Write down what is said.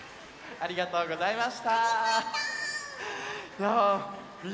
ありがとうございます。